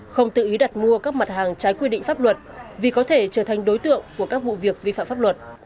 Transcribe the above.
không tự ý đặt mua các mặt hàng trái quy định pháp luật vì có thể trở thành đối tượng của các vụ việc vi phạm pháp luật